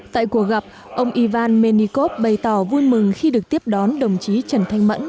tại cuộc gặp ông ivan menikov bày tỏ vui mừng khi được tiếp đón đồng chí trần thanh mẫn